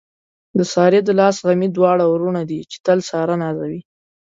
د سارې د لاس غمي دواړه وروڼه دي، چې تل ساره نازوي.